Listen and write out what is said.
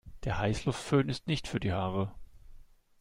Der Heißluftföhn ist nicht für die Haare.